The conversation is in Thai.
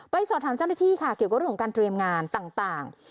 สอบถามเจ้าหน้าที่ค่ะเกี่ยวกับเรื่องของการเตรียมงานต่าง